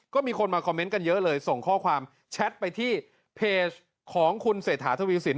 ก็มีคนมาคอมเมนต์กันเยอะเลยส่งข้อความแชทไปที่เพจของคุณเศรษฐาทวีสิน